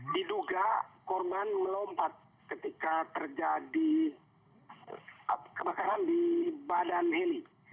diduga korban melompat ketika terjadi kebakaran di badan heli